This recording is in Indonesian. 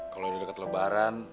kalau udah dekat lebaran